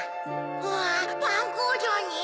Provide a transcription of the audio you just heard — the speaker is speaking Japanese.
うわパンこうじょうに？